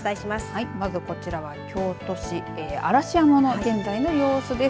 はい、まずこちらは京都市嵐山の現在の様子です。